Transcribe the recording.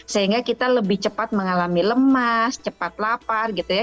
sehingga kita lebih cepat mengalami lemas cepat lapar gitu ya